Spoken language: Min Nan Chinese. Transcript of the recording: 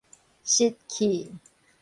熄去